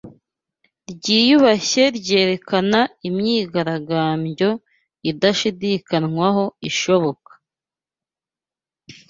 ryiyubashye ryerekana imyigaragambyo "idashidikanywaho" ishoboka